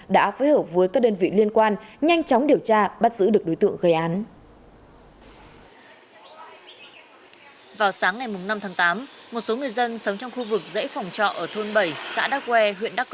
đã phối hợp với các đơn vị liên quan nhanh chóng điều tra bắt giữ được đối tượng gây án